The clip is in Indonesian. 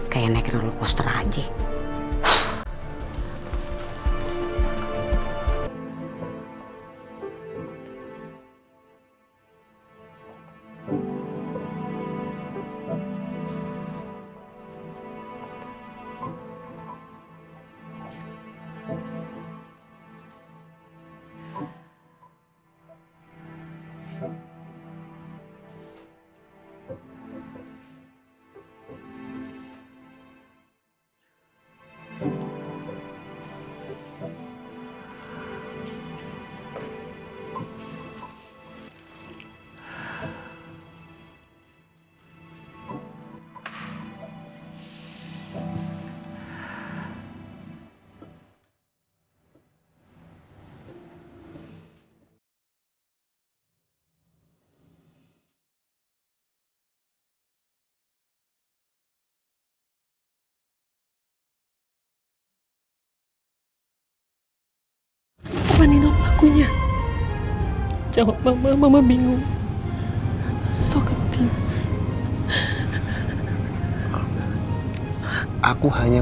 kayak naik rollercoaster aja